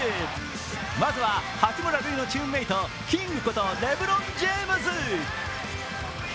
まずは、八村塁のチームメートキングことレブロン・ジェームズ。